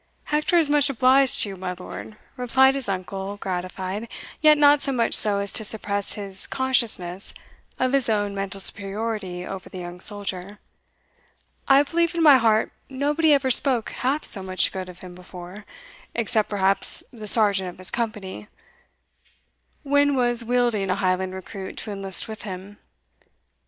"Hector is much obliged to you, my lord," replied his uncle, gratified, yet not so much so as to suppress his consciousness of his own mental superiority over the young soldier; "I believe in my heart nobody ever spoke half so much good of him before, except perhaps the sergeant of his company, when was wheedling a Highland recruit to enlist with him.